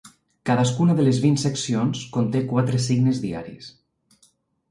Cadascuna de les vint seccions conté quatre signes diaris.